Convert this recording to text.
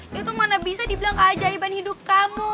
itu mana bisa dibilang keajaiban hidup kamu